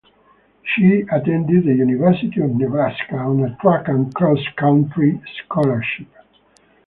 She attended the University of Nebraska on a track and cross-country scholarship.